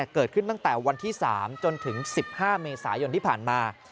เกิดขึ้นตั้งแต่วันที่๓จนถึง๑๕เมษายนที่ผ่านมา